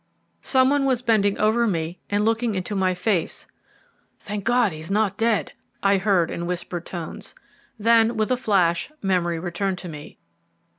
Some one was bending over me and looking into my face. "Thank God, he is not dead," I heard in whispered tones. Then, with a flash, memory returned to me.